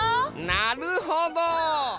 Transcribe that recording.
なるほど！